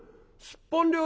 すっぽん？